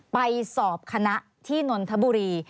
ไปสอบคณะที่นนทบุรี